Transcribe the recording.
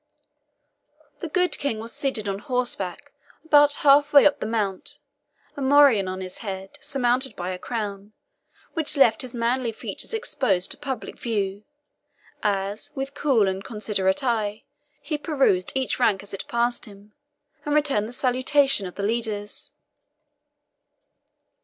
The good King was seated on horseback about half way up the mount, a morion on his head, surmounted by a crown, which left his manly features exposed to public view, as, with cool and considerate eye, he perused each rank as it passed him, and returned the salutation of the leaders.